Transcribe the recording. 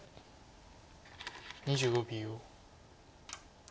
２５秒。